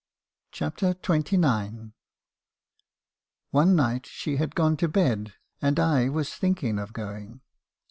CHAPTEE XXIX. " One night she had gone to bed , and I was thinking of going.